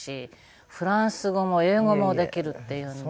フランス語も英語もできるっていうんで。